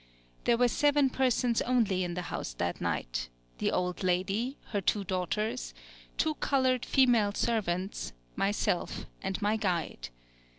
There were seven persons only in the house that night, the old lady, her two daughters, two colored female servants, myself and my guide.